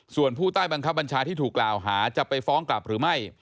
ส่วนผู้ใต้บังคับบัญชาที่ถูกกล่าวหาจะไปฟ้องกลับหรือไม่